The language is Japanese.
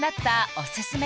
おすすめ